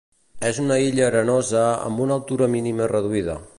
És una illa arenosa amb una altura mínima reduïda.